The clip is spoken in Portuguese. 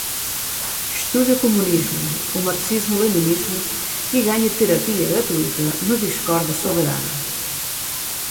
Estude o comunismo, o marxismo-leninismo e ganhe terapia gratuita no discord da Soberana.